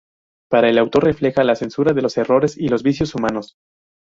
Para el autor refleja "La censura de los errores y los vicios humanos.